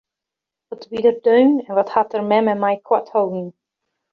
Wat wie er deun en wat hat er mem en my koart holden!